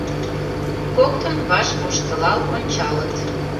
Коктын ваш воштылал ончалыт.